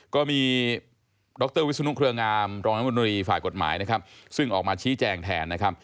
ก็มีดรวิศนุคเรืองามรองน้ำมนตรีฝ่ายกฎหมายซึ่งออกมาชี้แจงแทน